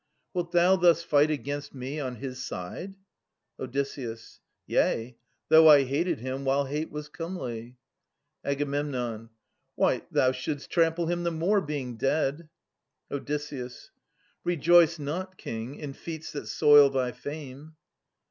Wilt thou thus fight against me on his side ? Od. Yea, though I hated him, while hate was comely. Ag. Why, thou shouldst trample him the more, being dead. Od. Rejoice not. King, in feats that soil thy fame